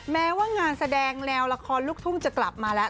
แม้ว่างานแสดงแนวละครลูกทุ่งจะกลับมาแล้ว